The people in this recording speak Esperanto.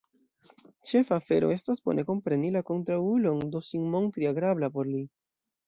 Ĉefa afero estas bone kompreni la kontraŭulon, do sin montri agrabla por li...